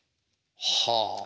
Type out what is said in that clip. はあ。